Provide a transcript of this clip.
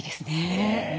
ねえ。